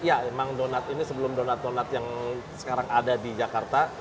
ya emang donat ini sebelum donat donat yang sekarang ada di jakarta